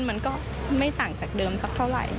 มันก็ไม่ต่างจากเดิมสักเท่าไหร่